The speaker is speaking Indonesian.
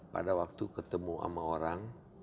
pada waktu ketemu sama orang